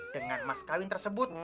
dengan mas kawin tersebut